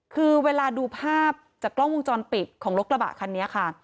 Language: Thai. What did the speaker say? คือเวลาดูภาพจากกล้องวงจรปิดของรถกระบะคันนี้ค่ะ